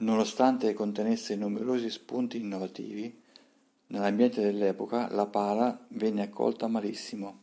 Nonostante contenesse numerosi spunti innovativi, nell'ambiente dell'epoca la pala venne accolta malissimo.